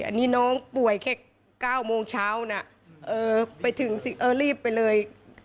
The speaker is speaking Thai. อันนี้น้องป่วยแค่๙โมงเช้านะไปถึงสิเออรีบไปเลย